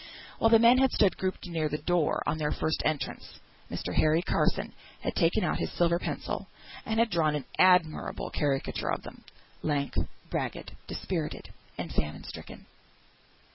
While the men had stood grouped near the door, on their first entrance, Mr. Harry Carson had taken out his silver pencil, and had drawn an admirable caricature of them lank, ragged, dispirited, and famine stricken.